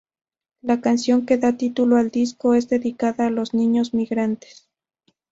La canción que da título al disco, es dedicada a los niños migrantes.